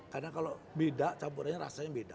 karena kalau beda campurannya rasanya beda